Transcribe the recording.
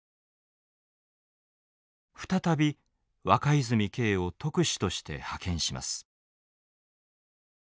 再び若泉敬を特使として派遣します。